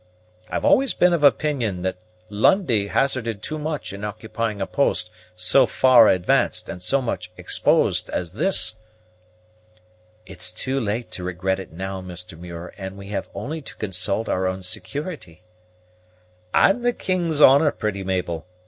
I've always been of opinion that Lundie hazarded too much in occupying a post so far advanced and so much exposed as this." "It's too late to regret it now, Mr. Muir, and we have only to consult our own security." "And the king's honor, pretty Mabel.